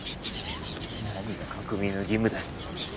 何が国民の義務だ。